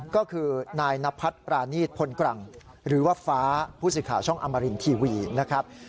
ก็คือนายนพัฒน์ปรานีตพลกรังหรือว่าฟ้าผู้สื่อข่าวช่องอมรินทีวีนะครับ